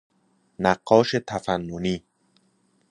نقاش تفننی